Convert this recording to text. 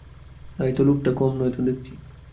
তাই তো, লোকটা কম নয় তো দেখছি।